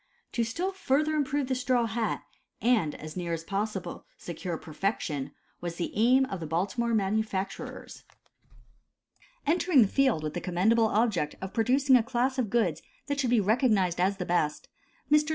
To still further improve the straw hat, and as near as possible secure perfection, was the aim of the Baltimore manufacturers. Entering the field with the commendable object of producing a class of goods that should be recognized as the best, Messrs.